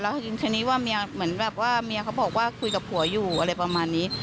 ทีนี้ว่าเมียเหมือนแบบว่าเมียเขาบอกว่าคุยกับผัวอยู่อะไรประมาณนี้